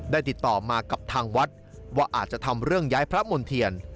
ติดต่อมากับทางวัดว่าอาจจะทำเรื่องย้ายพระมณ์เทียน